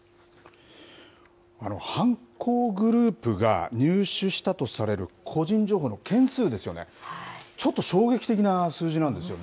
犯行グループが入手したとされる個人情報の件数ですよね、ちょっと衝撃的な数字なんですよね。